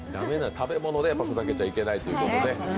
食べ物でふざけちゃいけないということで。